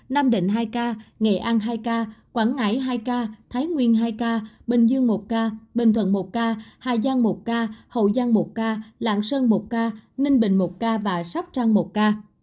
nam định hai ca nghệ an hai ca quảng ngãi hai ca thái nguyên hai ca bình dương một ca bình thuận một ca hà giang một ca hậu giang một ca lạng sơn một ca ninh bình một ca và sóc trăng một ca